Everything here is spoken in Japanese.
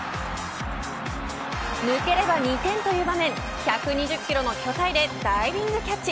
抜ければ２点という場面１２０キロの巨体でダイビングキャッチ。